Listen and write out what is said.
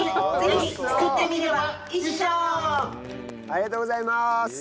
ありがとうございます！